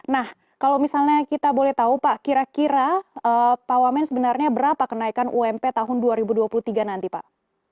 nah kalau misalnya kita boleh tahu pak kira kira pak wamen sebenarnya berapa kenaikan ump tahun dua ribu dua puluh tiga nanti pak